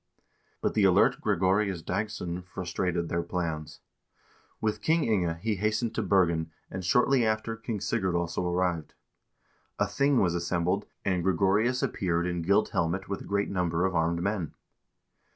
2 But the alert Gregorius Dagss0n frustrated their plans. With King Inge he hastened to Bergen, and shortly after King Sigurd also arrived. A thing was assembled, and Gre gorius appeared in gilt helmet with a great number of armed men.